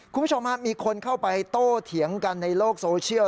คุณผู้ชมมีคนเข้าไปโต้เถียงกันในโลกโซเชียล